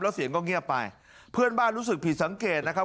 แล้วเสียงก็เงียบไปเพื่อนบ้านรู้สึกผิดสังเกตนะครับ